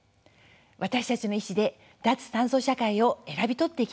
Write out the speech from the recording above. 私たちの意思で脱炭素社会を選び取っていきたいものです。